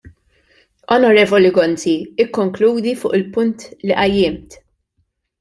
Onorevoli Gonzi, ikkonkludi fuq il-punt li qajjimt.